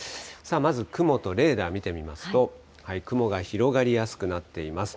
まず雲とレーダー、見てみますと、雲が広がりやすくなっています。